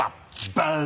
バン。